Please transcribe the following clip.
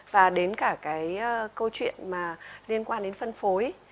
và đến cả cái câu chuyện mà liên quan đến phân phối